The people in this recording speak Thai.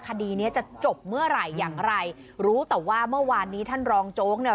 คดีเนี้ยจะจบเมื่อไหร่อย่างไรรู้แต่ว่าเมื่อวานนี้ท่านรองโจ๊กเนี่ย